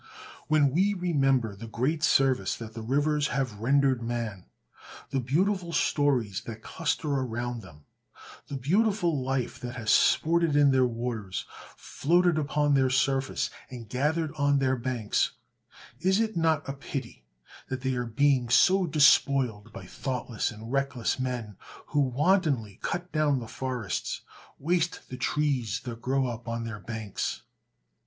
When we remember the great service that the rivers have rendered man, the beautiful stories that cluster around them, the beautiful life that has sported in their waters, floated upon their surface, and gathered on their banks, is it not a pity that they are being so despoiled by thoughtless and reckless men, who wantonly cut down the forests, waste the trees that grow upon their banks?